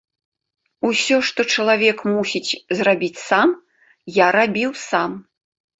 Усё, што чалавек мусіць зрабіць сам, я рабіў сам.